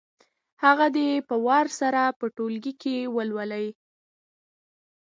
هغه دې په وار سره په ټولګي کې ولولي.